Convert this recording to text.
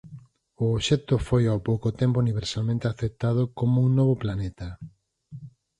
O obxecto foi ao pouco tempo universalmente aceptado como un novo planeta.